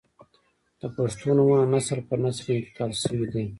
• د پښتو نومونه نسل پر نسل انتقال شوي دي.